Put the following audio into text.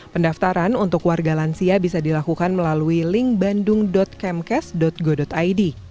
pendaftaran untuk warga lansia bisa dilakukan melalui link bandung kemkes go id